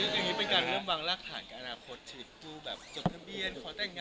อย่างนี้เป็นการเริ่มวางรักฐานกับอนาคตจบทะเบียนขอแต่งงาน